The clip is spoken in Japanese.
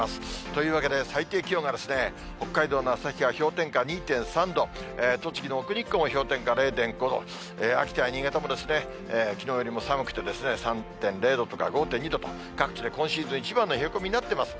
というわけで、最低気温が北海道の旭川、氷点下２．３度、栃木の奥日光も氷点下０．５度、秋田や新潟も、きのうよりも寒くて、３．０度とか５．２度と、各地で今シーズン一番の冷え込みになっています。